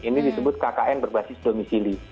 ini disebut kkn berbasis domisili